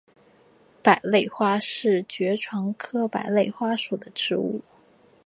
百簕花是爵床科百簕花属的植物。